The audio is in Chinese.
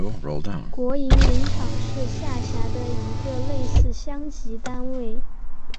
国营林场是下辖的一个类似乡级单位。